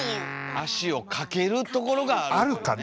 「足をかけるところがあるか」ね？